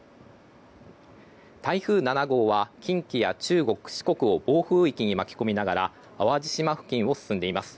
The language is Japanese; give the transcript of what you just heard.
台風７号は近畿や中国・四国を暴風域に巻き込みながら淡路島付近を進んでいます。